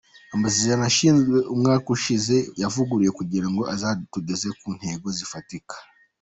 Amasezerano yasinywe umwaka ushize yavuguruwe kugira ngo azatugeze ku ntego zifatika.